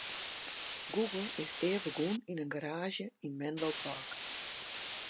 Google is ea begûn yn in garaazje yn Menlo Park.